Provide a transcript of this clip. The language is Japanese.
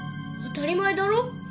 当たり前だろ。